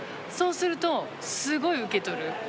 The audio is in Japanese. そうするとすごい受け取る。